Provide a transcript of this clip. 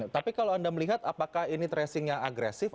tapi kalau anda melihat apakah ini tracingnya agresif